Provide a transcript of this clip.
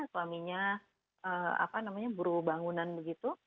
suaminya apa namanya buru bangunan begitu